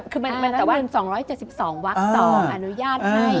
คือมันแต่ว่า๒๗๒วักษ์๒อนุญาตให้